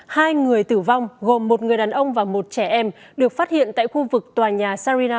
hai người tử vong gồm một người đàn ông và một trẻ em được phát hiện tại khu vực tòa nhà sarina